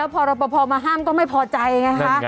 พอรับประพอมาห้ามก็ไม่พอใจไงคะ